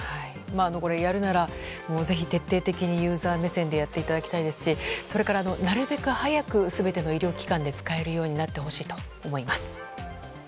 やるならぜひ、徹底的にユーザー目線でやっていただきたいですしなるべく早く全ての医療機関で使えるようになってほしいと思います。